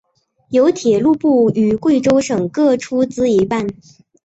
由铁道部与贵州省各出资一半。